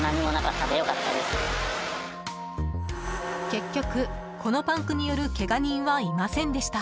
結局、このパンクによるけが人はいませんでした。